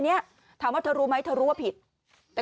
กินให้ดูเลยค่ะว่ามันปลอดภัย